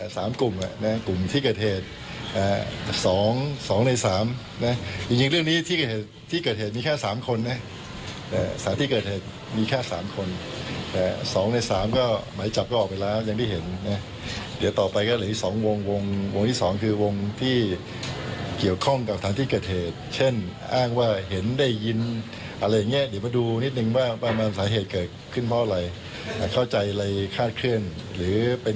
สามกลุ่มกลุ่มที่เกิดเหตุสองในสามจริงจริงเรื่องนี้ที่เกิดเหตุที่เกิดเหตุมีแค่สามคนสถานที่เกิดเหตุมีแค่สามคนสองในสามก็หมายจับก็ออกไปแล้วยังได้เห็นเดี๋ยวต่อไปก็เหลือที่สองวงวงที่สองคือวงที่เกี่ยวข้องกับสถานที่เกิดเหตุเช่นอ้างว่าเห็นได้ยินอะไรอย่างเงี้ยเดี๋ยวมาดูนิดหน